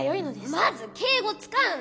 まず敬語つかうな！